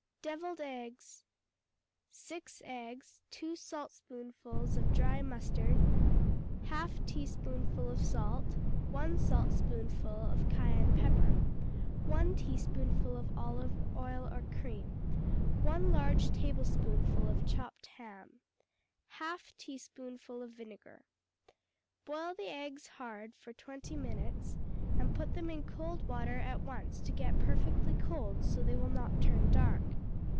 Devilled Eggs 6 eggs. 2 saltspoonfuls of dry mustard. 1/2 teaspoonful of salt. 1 saltspoonful of cayenne pepper. 1 teaspoonful of olive oil or cream. 1 large tablespoonful of chopped ham. 1/2 teaspoonful of vinegar. Boil the eggs hard for twenty minutes, and put them in cold water at once to get perfectly cold so they will not turn dark.